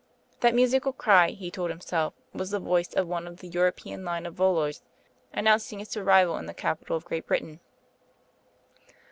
That musical cry, he told himself, was the voice of one of the European line of volors announcing its arrival in the capital of Great Britain.